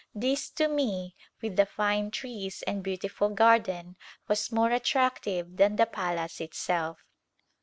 This to me, with the fine trees and beautiful garden was more attractive than the palace itself.